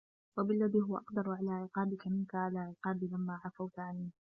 وَبِاَلَّذِي هُوَ أَقْدَرُ عَلَى عِقَابِك مِنْك عَلَى عِقَابِي لَمَا عَفَوْتَ عَنِّي